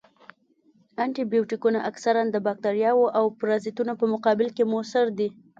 انټي بیوټیکونه اکثراً د باکتریاوو او پرازیتونو په مقابل کې موثر دي.